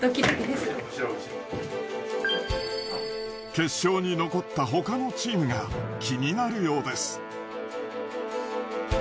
決勝に残った他のチームが気になるようです。